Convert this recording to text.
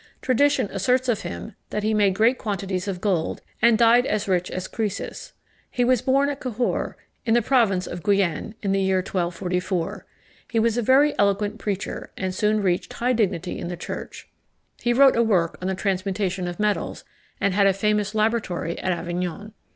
Tradition asserts of him, that he made great quantities of gold, and died as rich as Croesus. He was born at Cahors, in the province of Guienne, in the year 1244. He was a very eloquent preacher, and soon reached high dignity in the Church. He wrote a work on the transmutation of metals, and had a famous laboratory at Avignon.